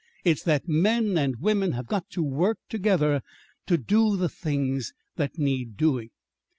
It's that men and women have got to work together to do the things that need doing."